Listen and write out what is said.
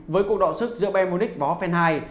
với cuộc đoạn sức giữa bermudik vó phenhai